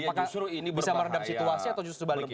apakah ini bisa meredam situasi atau justru sebaliknya